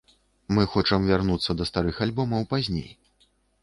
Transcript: Мы хочам вярнуцца да старых альбомаў пазней.